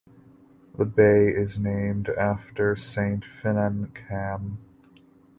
The bay is named after Saint Finan Cam.